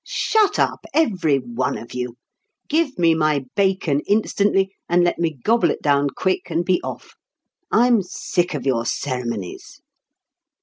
Shut up, every one of you. Give me my bacon instantly, and let me gobble it down quick and be off. I'm sick of your ceremonies!"